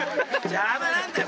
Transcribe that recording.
邪魔なんだよ！